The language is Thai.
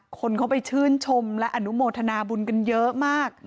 คนเขาไปชื่นชมและอนุโมทนาบุญกันเยอะมาก